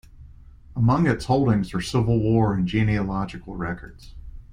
Among its holdings are Civil War and genealogical records.